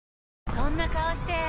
そんな顔して！